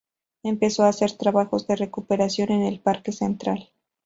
Empezó a hacer trabajos de recuperación en el Parque Central.